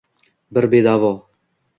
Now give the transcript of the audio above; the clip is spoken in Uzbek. Bir bedavo